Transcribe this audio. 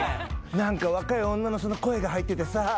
「何か若い女の人の声が入っててさ」